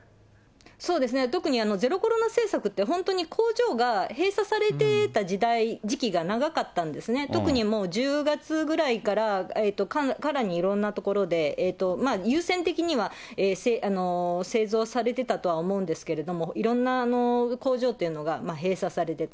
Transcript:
そうですね、特に、ゼロコロナ政策って本当に工場が閉鎖されてた時期が長かったんですね、特にもう１０月ぐらいから、かなりいろんな所で優先的には製造されてたとは思うんですけれども、いろんな工場っていうのが閉鎖されてた。